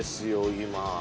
今。